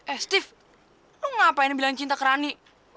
eh steve lu ngapain bilang cinta ke rani